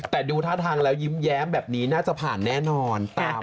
แต่ดูท่าทางแล้วยิ้มแย้มแบบนี้น่าจะผ่านแน่นอน